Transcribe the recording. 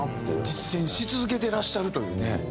実践し続けてらっしゃるというね。